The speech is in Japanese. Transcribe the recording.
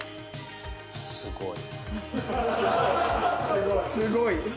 「すごい！」。